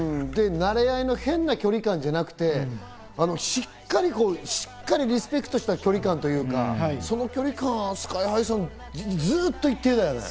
馴れ合いの変な距離感じゃなくて、しっかりリスペクトした距離感、その距離感、ＳＫＹ−ＨＩさん、ずっと一定だよね。